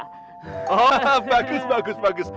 hahaha bagus bagus